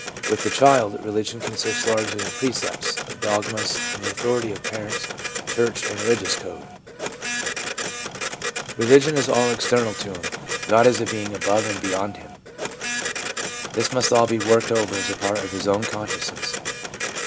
With the child, religion consists largely in precepts, in dogmas, in the authority of parents, church and religious code. Religion is all 394 THE PSYCHOLOGY OF RELIGION external to him ; God is a being above and beyond him. This must all be worked over as part of his own conscious ness.